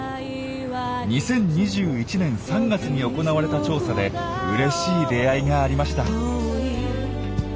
２０２１年３月に行われた調査でうれしい出会いがありました。